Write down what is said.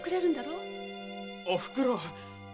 おふくろ。